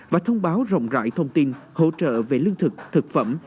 và thông báo rộng rãi thông tin hỗ trợ về lương thực thực phẩm